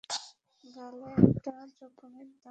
গালে একটা জখমের দাগ।